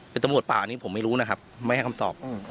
เป็นตำรวจป่าอันนี้ผมไม่รู้นะครับไม่ให้คำตอบ